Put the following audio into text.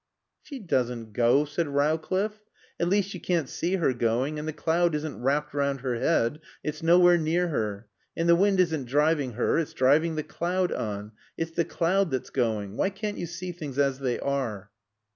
"She doesn't go," said Rowcliffe. "At least you can't see her going, and the cloud isn't wrapped round her head, it's nowhere near her. And the wind isn't driving her, it's driving the cloud on. It's the cloud that's going. Why can't you see things as they are?"